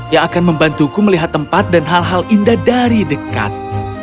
yang akan membantuku melihat tempat dan hal hal indah dari dekat